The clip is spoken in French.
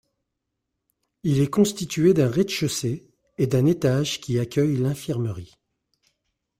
Il est constitué d'un rez-de-chaussée et d'un étage, qui accueille l'infirmerie.